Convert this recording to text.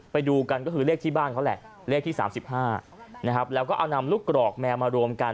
ไปดูกันก็คือเลขที่บ้านเขาแหละเลขที่๓๕นะครับแล้วก็เอานำลูกกรอกแมวมารวมกัน